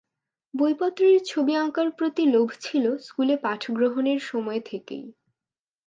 বইপত্রের ছবি আঁকার প্রতি লোভ ছিল স্কুলে পাঠ গ্রহণের সময় থেকেই।